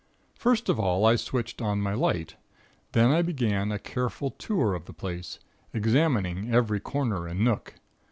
"First of all I switched on my light, then I began a careful tour of the place; examining every corner and nook.